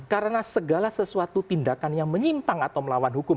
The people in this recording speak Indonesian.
karena segala sesuatu tindakan yang menyimpang atau melawan hukum